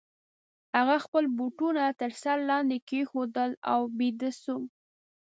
هغه خپل بوټونه تر سر لاندي کښېښودل او بیده سو.